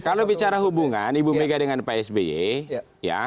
kalau bicara hubungan ibu mega dengan pak sby ya